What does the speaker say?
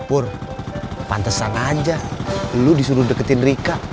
pur pantes sana aja lu disuruh deketin rika